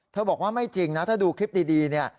บอกว่าไม่จริงนะถ้าดูคลิปดีเนี่ย